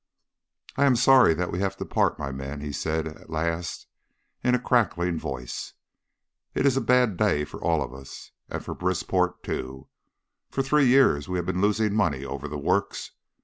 "I am sorry that we have to part, my men," he said at last in a crackling voice. "It's a bad day for all of us, and for Brisport too. For three years we have been losing money over the works.